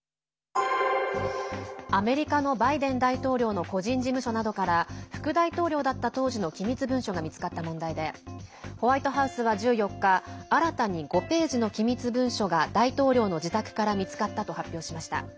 アメリカのバイデン大統領の個人事務所などから副大統領だった当時の機密文書が見つかった問題でホワイトハウスは１４日新たに５ページの機密文書が大統領の自宅から見つかったと発表しました。